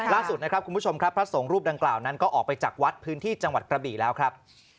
ล่าสุดนะครับคุณผู้ชมครับพระสงฆ์รูปดังกล่าวนั้นก็ออกไปจากวัดพื้นที่จังหวัดกระบี่แล้วครับ